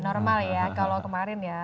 normal ya kalau kemarin ya